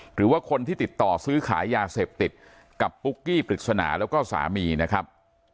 หรือว่าคนที่ติดต่อซื้อขายยาเสพติดกับปุ๊กกี้ปริศนาแล้วก็สามีนะครับ